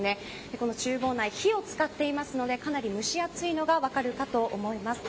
この厨房内火を使っていますのでかなり蒸し暑いのが分かるかと思います。